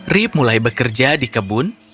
rip mulai bekerja di kebun